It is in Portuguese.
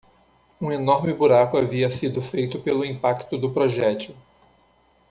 Um enorme buraco havia sido feito pelo impacto do projétil.